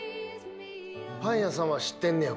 パン屋さんは知ってんねや。